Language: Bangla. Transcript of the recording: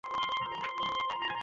এর গ্যারান্টি আমি দিচ্ছি।